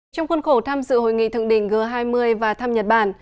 trong khuôn khổ tham dự hội nghị thượng đỉnh g hai mươi và thăm nhật bản